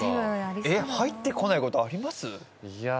入ってこない事あります？